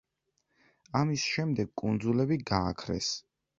ამის შემდეგ კუნძულები გააქრეს.